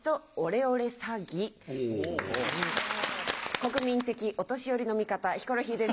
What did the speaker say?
国民的お年寄りの味方ヒコロヒーです。